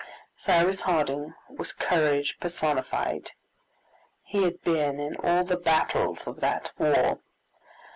Cyrus Harding was courage personified. He had been in all the battles of that war.